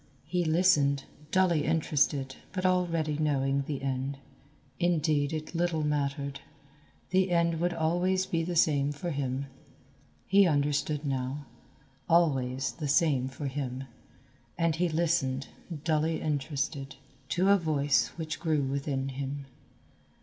He listened, dully interested but already knowing the end, indeed it little mattered; the end would always be the same for him; he understood now always the same for him, and he listened, dully interested, to a voice which grew within him.